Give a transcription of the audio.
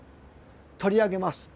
取り上げます。